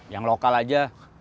yang lokal aja